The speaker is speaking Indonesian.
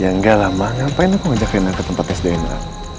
ya nggak lah ma ngapain aku ngajak krenah ke tempat tes dna